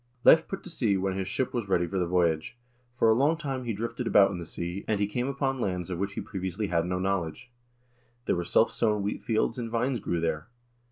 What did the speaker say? "Leiv put to sea when his ship was ready for the voyage. For a long time he drifted about in the sea, and he came upon lands of which he previously had no knowledge. There were self sown wheat fields, and vines grew there.